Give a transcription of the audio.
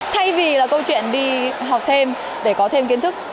thay vì là câu chuyện đi học thêm để có thêm kiến thức